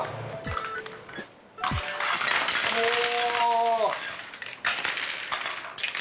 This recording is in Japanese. おお！